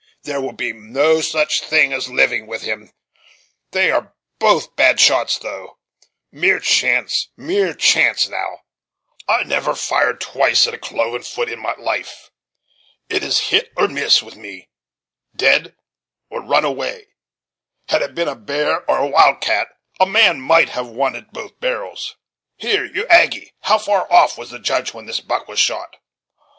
There will be no such thing as living with him they are both bad shots though, mere chance mere chance now, I never fired twice at a cloven foot in my life it is hit or miss with me dead or run away had it been a bear, or a wild cat, a man might have wanted both barrels. Here! you Aggy! how far off was the Judge when this buck was shot?"